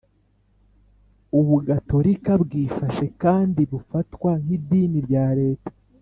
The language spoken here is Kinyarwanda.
ubugatolika bwifashe kandi bufatwa nk'idini rya Leta,